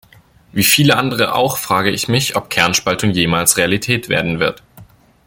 Wie viele andere auch frage ich mich, ob Kernspaltung jemals Realität werden wird.